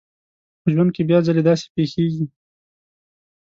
په ژوند کې بيا ځلې داسې پېښېږي.